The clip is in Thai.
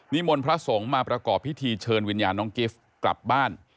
มนต์พระสงฆ์มาประกอบพิธีเชิญวิญญาณน้องกิฟต์กลับบ้าน